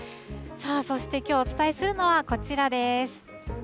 さあ、そしてきょう、お伝えするのは、こちらです。